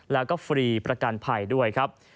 แล้วก็ฟรีประกันภัยด้วยครับ